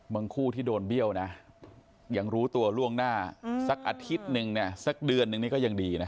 คู่ที่โดนเบี้ยวนะยังรู้ตัวล่วงหน้าสักอาทิตย์หนึ่งเนี่ยสักเดือนนึงนี่ก็ยังดีนะ